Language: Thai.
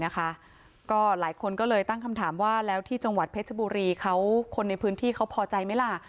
ก็หลายคนก็เลยตั้งคำถามว่าแล้วที่จังหวัดเพชรบุรีคนในพื้นที่เขาพอใจไหมล่ะ